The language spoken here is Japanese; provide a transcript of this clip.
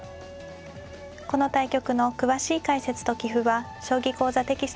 この対局の詳しい解説と棋譜は「将棋講座」テキストに掲載します。